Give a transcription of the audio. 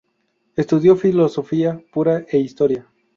Estudió filosofía pura e historia.